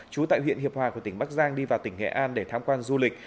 trú tại huyện hiệp hòa của tỉnh bắc giang đi vào tỉnh nghệ an để tham quan du lịch